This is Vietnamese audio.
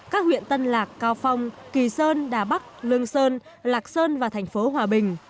các huyện tân lạc cao phong kỳ sơn đà bắc lương sơn lạc sơn và thành phố hòa bình